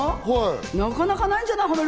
なかなかないんじゃない？